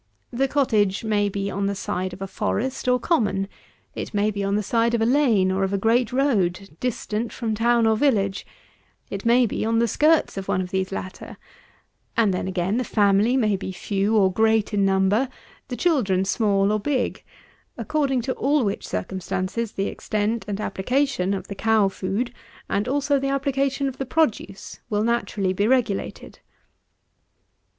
The cottage may be on the side of a forest or common; it may be on the side of a lane or of a great road, distant from town or village; it may be on the skirts of one of these latter: and then, again, the family may be few or great in number, the children small or big, according to all which circumstances, the extent and application of the cow food, and also the application of the produce, will naturally be regulated.